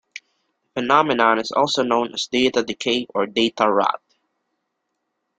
The phenomenon is also known as data decay or data rot.